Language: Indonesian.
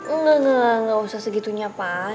enggak enggak usah segitunya pak